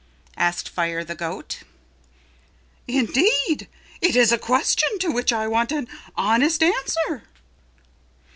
asked Fire the Goat. "Indeed it is a question to which I want an honest answer."